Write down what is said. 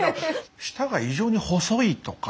舌が異常に細いとか。